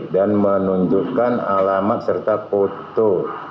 dan menunjukkan alamat serta foto